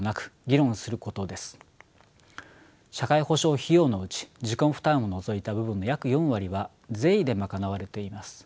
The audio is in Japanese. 社会保障費用のうち自己負担を除いた部分の約４割は税で賄われています。